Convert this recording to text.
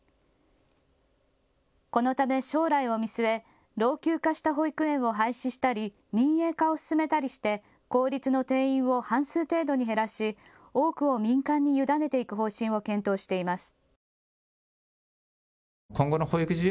このため将来を見据え老朽化した保育園を廃止したり民営化を進めたりして公立の定員を半数程度に減らし多くを民間に委ねていく方針を検討しています。